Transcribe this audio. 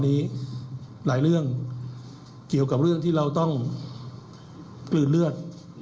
หลายเรื่องเกี่ยวกับเรื่องที่เราต้องกลืนเลือด